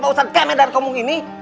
pausan kemedan kamu ini